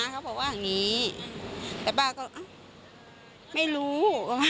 เขาบอกว่าอย่างนี้แต่ป้าก็ไม่รู้